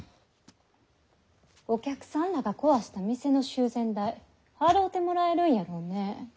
お客さんらが壊した店の修繕代払うてもらえるんやろね。